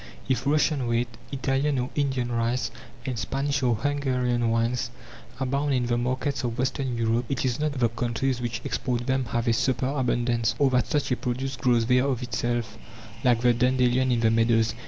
If Russian wheat, Italian or Indian rice, and Spanish or Hungarian wines abound in the markets of western Europe, it is not that the countries which export them have a superabundance, or that such a produce grows there of itself, like the dandelion in the meadows.